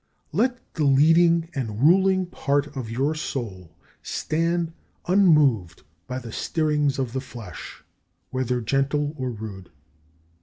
26. Let the leading and ruling part of your soul stand unmoved by the stirrings of the flesh, whether gentle or rude.